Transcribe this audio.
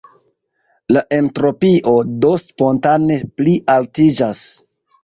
La entropio do spontane plialtiĝas.